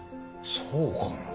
そうかな？